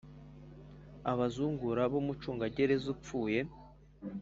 Abazungura b umucungagereza upfuye